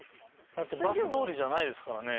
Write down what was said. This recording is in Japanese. だってバス通りじゃないですからね。